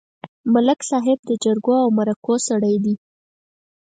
ملک صاحب د جرګو او مرکو سړی دی.